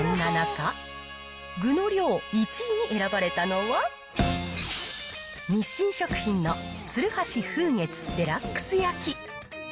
そんな中、具の量１位に選ばれたのは、日清食品の鶴橋風月デラックス焼。